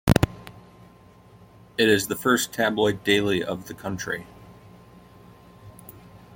It is the first tabloid daily of the country.